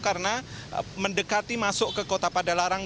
karena mendekati masuk ke kota padalarang